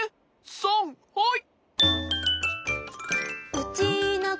さんはい！